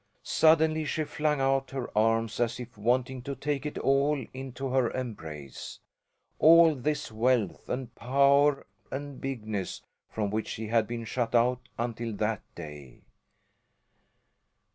Suddenly she flung out her arms as if wanting to take it all into her embrace all this wealth and power and bigness from which she had been shut out until that day.